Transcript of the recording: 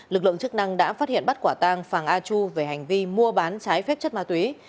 lực lượng chức năng đã phát hiện bắt quả tang phàng a chu về hành vi mua bán trái phép chất ma túy